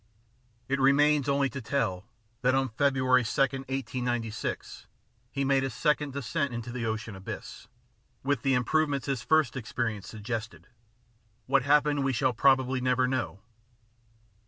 It remains only to tell that on February 2, 1896, he made his second descent into the ocean abyss, with the improvements his first experience suggested. What happened we shall probably never know.